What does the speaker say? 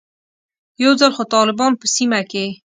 یو ځل خو طالبان په سیمه کې.